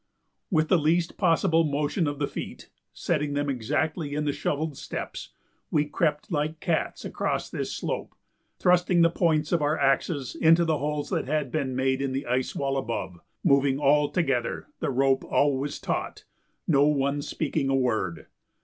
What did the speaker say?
With the least possible motion of the feet, setting them exactly in the shovelled steps, we crept like cats across this slope, thrusting the points of our axes into the holes that had been made in the ice wall above, moving all together, the rope always taut, no one speaking a word.